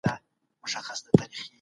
هغوی نسي کولای دا متن سم ولولي.